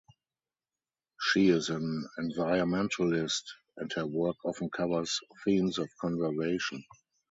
She is an environmentalist and her work often covers themes of conservation.